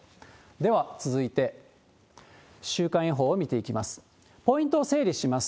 では続いて、週間予報を見ていきます。